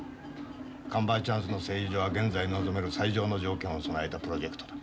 カンバイチャンスの製油所は現在望める最上の条件を備えたプロジェクトだ。